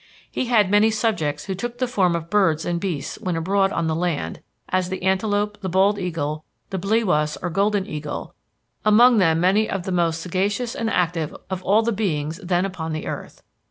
He had many subjects who took the form of birds and beasts when abroad on the land, as the antelope, the bald eagle, the bliwas or golden eagle, among them many of the most sagacious and active of all the beings then upon the earth.